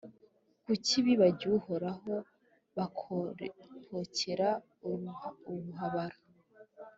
kucyi bibagiwe Uhoraho, bakohokera ubuhabara.